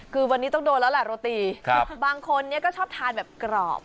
คือวันนี้ต้องโดนแล้วแหละโรตีบางคนนี้ก็ชอบทานแบบกรอบ